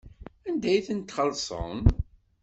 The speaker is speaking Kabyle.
Anda ay ten-txellṣem?